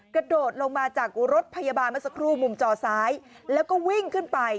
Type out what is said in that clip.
กระโดดลงมาจากรถพยาบาลเมื่อสักครู่มุมจอซ้ายแล้วก็วิ่งขึ้นไป